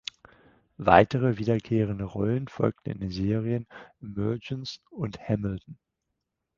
Weitere wiederkehrende Rollen folgten in den Serien "Emergence" und "Hamilton".